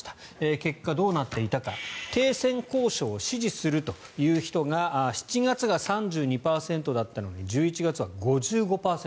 結果、どうなっていたか停戦交渉を支持するという人が７月が３２％だったのが１１月は５５％